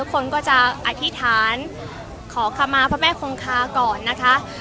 คนก็จะอธิษฐานขอขมาพระแม่คงคาก่อนนะคะ